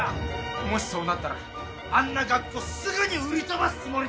もしそうなったらあんな学校すぐに売り飛ばすつもりだったのに。